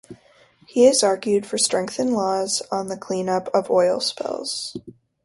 He has argued for strengthened laws on the clean up of oil spills.